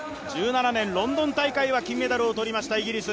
１７年、ロンドン大会は金メダルを取りました、イギリス。